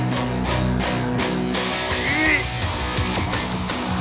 เฮ้ย